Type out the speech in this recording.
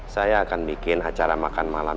saya akan bikin acara makan malam